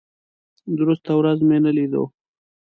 درسته ورځ مې نه لیدو.